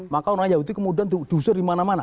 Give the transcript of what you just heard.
maka orang yahudi kemudian dusur dimana mana